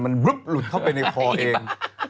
มันลุดเข้าไปในคอเอง